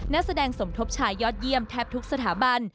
นักแสดงสมทบชายยอดเยี่ยมแทบทุกสถาบัน